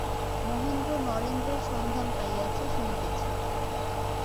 মহেন্দ্র নরেন্দ্রের সন্ধান পাইয়াছে শুনিতেছি।